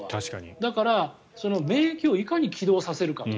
だから、免疫をいかに起動させるかと。